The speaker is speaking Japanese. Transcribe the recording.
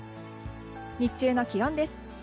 日中の気温です。